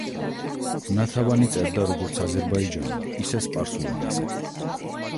ნათავანი წერდა როგორც აზერბაიჯანულ, ისე სპარსულ ენაზე.